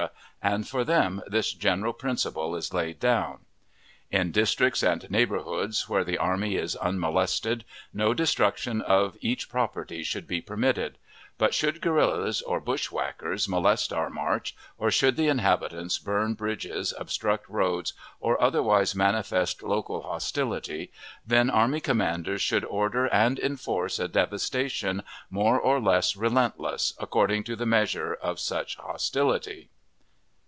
and for them this general principle is laid down: In districts and neighborhoods where the army is unmolested, no destruction of each property should be permitted; but should guerrillas or bushwhackers molest our march, or should the inhabitants burn bridges, obstruct roads, or otherwise manifest local hostility, then army commanders should order and enforce a devastation more or less relentless, according to the measure of such hostility.